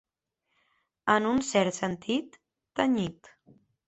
En un cert sentit, tenyit.